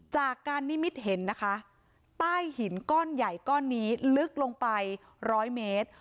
จากการนิมิตเห็นนะคะใต้หินก้อนใหญ่ก้อนนี้ลึกลงไปร้อยเมตร